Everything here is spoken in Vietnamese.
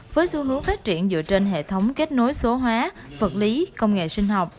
với xu hướng phát triển dựa trên hệ thống kết nối số hóa vật lý công nghệ sinh học